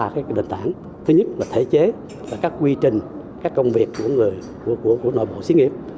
ba cái định tảng thứ nhất là thể chế các quy trình các công việc của người của nội bộ xí nghiệp